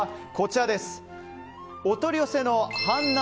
お取り寄せの半生